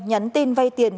nhắn tin vay tiền